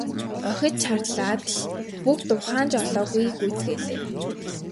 Охид чарлаад л бүгд ухаан жолоогүй гүйцгээлээ.